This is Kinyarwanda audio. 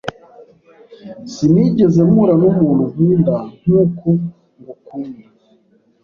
Sinigeze mpura numuntu nkunda nkuko ngukunda.